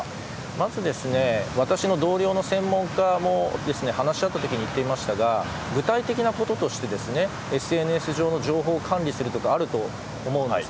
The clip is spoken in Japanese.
まず、私の同僚の専門家も話し合ったとき言っていましたが具体的なこととしてＳＮＳ上の情報を管理するとかあると思うんです。